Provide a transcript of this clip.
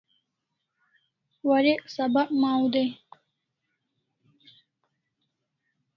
Warek sabak maw dai